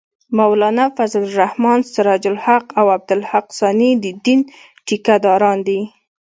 مولانا فضل الرحمن ، سراج الحق او عبدالحق ثاني د دین ټېکه داران دي